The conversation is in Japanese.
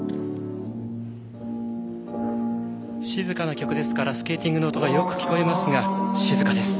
静かな曲ですからスケーティングの音がよく聞こえますが静かです。